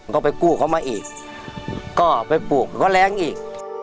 ก็ไปกู้เขามาอีกก็ไปปลูกก็แรงอีก